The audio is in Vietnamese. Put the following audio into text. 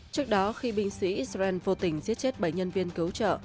trước đó khi binh sĩ israel vô tình giết chết bảy nhân viên cứu trợ